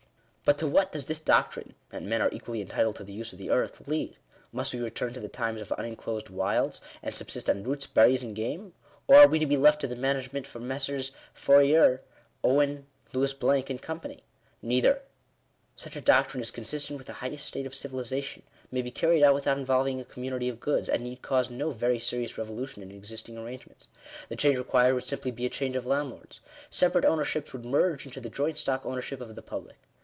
"But to what does this doctrine, that men are equally en titled to the use of the earth, lead ? Must we return to the times of uninclosed wilds, and subsist on roots, berries, and Digitized by VjOOQIC THE RIGHT TO THE USE OF THE EARTH. 123 game ? Or are we to be left to the management of Messrs. Fourrier, Owen, Louis Blanc, and Co. ?" Neither. Such a doctrine is consistent with the highest state of civilization ; may be carried out without involving j a community of goods ; and need cause no very serious revolu ' (ion in existing arrangements. The change required would simply be a change of landlords. Separate ownerships would 1 merge into the joint stock ownership of the public.